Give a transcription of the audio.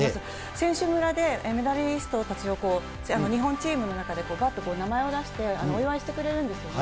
選手村でメダリストたちを、日本チームの中で、ばっと名前を出して、お祝いしてくれるんですよね。